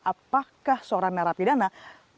apakah seorang narapidana beresiko tinggi